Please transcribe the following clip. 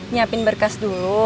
nyiapin berkas dulu